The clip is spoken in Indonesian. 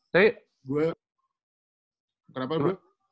tapi gue kenapa bro